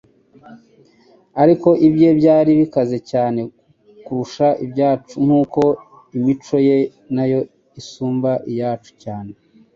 Ariko ibye byari bikaze cyane kurusha ibyacu nk'uko imico ye nayo isumba iyacu cyane.